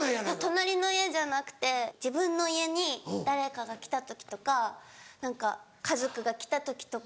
隣の家じゃなくて自分の家に誰かが来た時とか何か家族が来た時とか。